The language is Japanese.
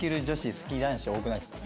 好き男子多くないですか？